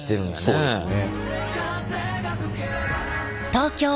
そうですね。